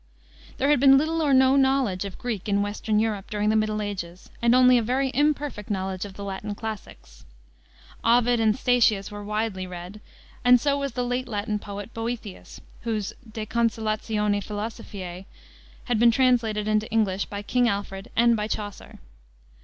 There had been little or no knowledge of Greek in western Europe during the Middle Ages, and only a very imperfect knowledge of the Latin classics. Ovid and Statius were widely read, and so was the late Latin poet, Boethius, whose De Consolatione Philosophiae had been translated into English by King Alfred and by Chaucer.